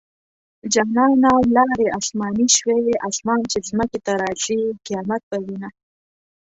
جانانه ولاړې اسماني شوې - اسمان چې ځمکې ته راځي؛ قيامت به وينه